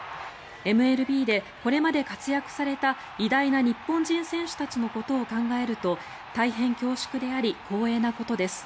ＭＬＢでこれまで活躍された偉大な日本人選手たちのことを考えると大変恐縮であり光栄なことです。